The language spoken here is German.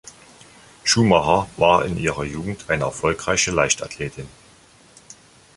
Schumacher war in ihrer Jugend eine erfolgreiche Leichtathletin.